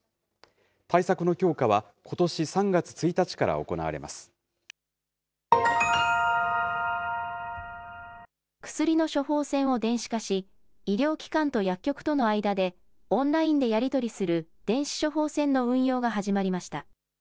対策の強化は、ことし３月１日か薬の処方箋を電子化し、医療機関と薬局との間でオンラインでやり取りする電子処方箋の運用が始まりました。